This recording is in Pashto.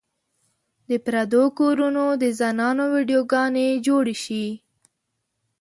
د پردو کورونو د زنانو ويډيو ګانې جوړې شي